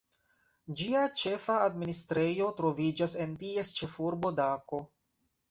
Ĝia ĉefa administrejo troviĝas en ties ĉefurbo Dako.